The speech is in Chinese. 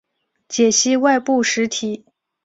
解析外部实体。